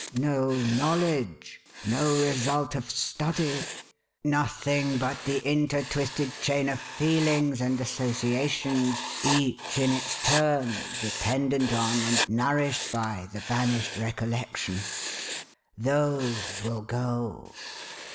" No knowledge ; no result of study ; nothing but the intertwisted chain of feelings and associations, each in its turn dependent on, and nourished by, the banished recollections. Those will go."